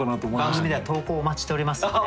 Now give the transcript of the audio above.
番組では投稿お待ちしておりますんで。